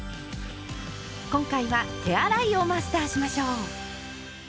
今回は手洗いをマスターしましょう。